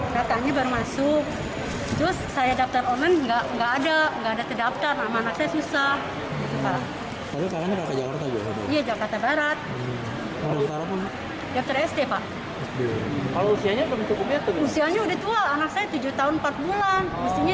katanya baru masuk terus saya daftar online